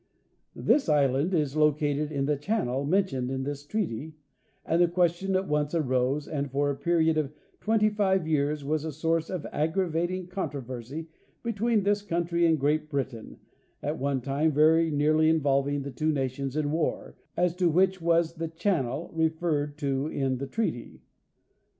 This island is located in the "channel" mentioned in this treaty, and the question at once arose, and for a period of twenty 260 Jorn Ei Mitchell" oneaen five years was a source of aggravating controversy between this country and Great Britain, at one time very nearly involving the two nations in war, as to which was the "channel" referred to in thetreaty.